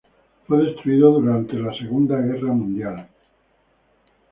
Fue destruido durante la Segunda Guerra Mundial.